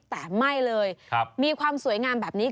แต่ไม่เลยมีความสวยงามแบบนี้